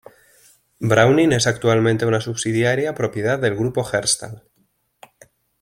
Browning es actualmente una subsidiaria propiedad del Grupo Herstal.